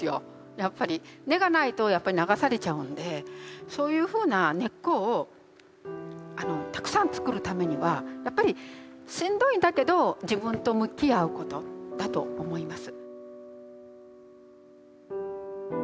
やっぱり根がないとやっぱり流されちゃうんでそういうふうな根っこをたくさんつくるためにはやっぱりしんどいんだけど自分と向き合うことだと思います。